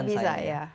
tidak bisa ya